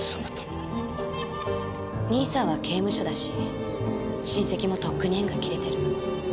兄さんは刑務所だし親戚もとっくに縁が切れてる。